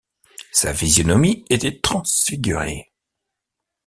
Sa physionomie était transfigurée.